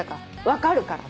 分かるから。